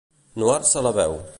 Nuar-se la veu.